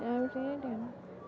em chế tiền